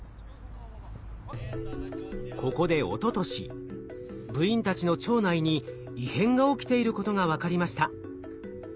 ここでおととし部員たちの腸内に異変が起きていることが分かりました。